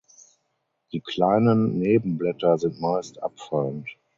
Die kleinen Nebenblätter sind meist abfallend.